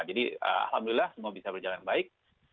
jadi alhamdulillah semua bisa berjalan baik